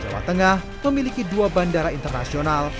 jawa tengah memiliki dua bandara internasional